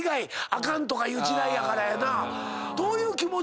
あかんとかいう時代やからやな。